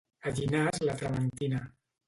A Llinars la trementina